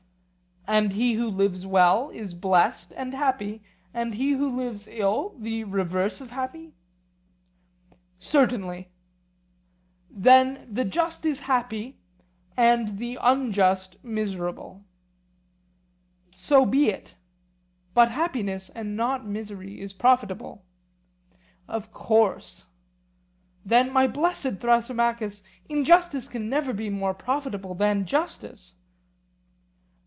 And he who lives well is blessed and happy, and he who lives ill the reverse of happy? Certainly. Then the just is happy, and the unjust miserable? So be it. But happiness and not misery is profitable. Of course. Then, my blessed Thrasymachus, injustice can never be more profitable than justice.